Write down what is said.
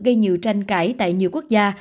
gây nhiều tranh cãi tại nhiều quốc gia